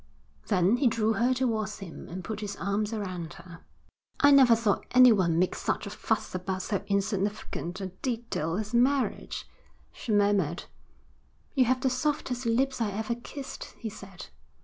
Then he drew her towards him and put his arms around her. 'I never saw anyone make such a fuss about so insignificant a detail as marriage,' she murmured. 'You have the softest lips I ever kissed,' he said.